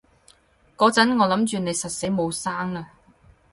嗰陣我諗住你實死冇生喇